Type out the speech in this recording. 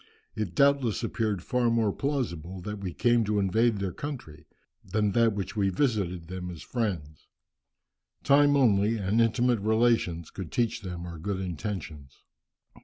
It doubtless appeared far more plausible that we came to invade their country, than that we visited them as friends. Time only, and intimate relations, could teach them our good intentions."